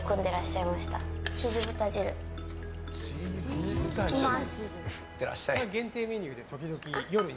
いただきます。